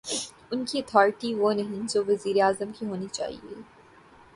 ان کی اتھارٹی وہ نہیں جو وزیر اعظم کی ہونی چاہیے۔